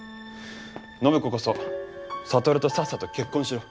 暢子こそ智とさっさと結婚しろ。